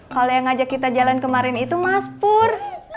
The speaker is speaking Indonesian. kalau yang ngajak kita jalan kemarin itu mas pur